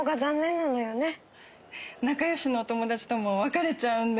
仲良しのお友達とも別れちゃうんで。